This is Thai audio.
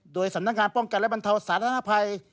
โดยสำนักงานป้องกันและบรรเทาสาธารณภัย